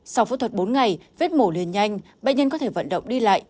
sau phẫu thuật bốn ngày vết mổ liền nhanh bệnh nhân có thể vận động đi lại